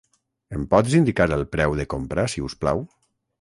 Em pots indicar el preu de compra, si us plau?